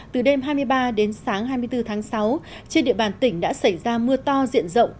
từ đêm hai mươi ba đến sáng hai mươi bốn tháng sáu trên địa bàn tỉnh đã xảy ra mưa to diện rộng